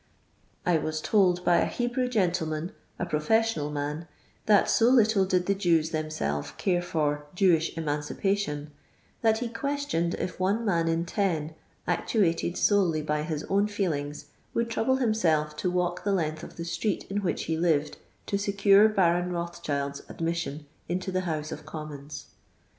I was told by a Hebrew gentleman (a pro fessional man) that so little did the Jews thorn selves care for " Jewish emancipation/' that he questioned if one man in ton, actuated solely by his own feelings, would trouble himself to walk the length of the street in which he lived to secure Baron Rothschild'i} admission into the House of Commons.